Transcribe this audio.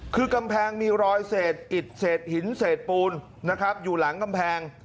คือกำแพงมีรอยเศษอิดเศษหินเศษปูนนะครับอยู่หลังกำแพง